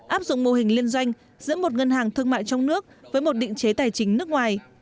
áp dụng mô hình liên doanh giữa một ngân hàng thương mại trong nước với một định chế tài chính nước ngoài